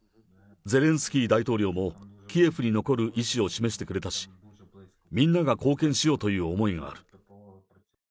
ゼレンスキー大統領もキエフに残る意思を示してくれたし、みんなが貢献しようという思いがある。